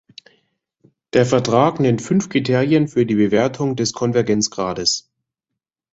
Der Vertrag nennt fünf Kriterien für die Bewertung des Konvergenzgrades.